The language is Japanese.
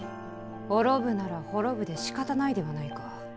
滅ぶなら滅ぶでしかたないではないか。